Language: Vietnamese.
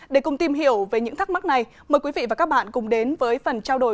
để cùng tìm hiểu về những thắc mắc này mời quý vị và các bạn cùng đến với phần trao đổi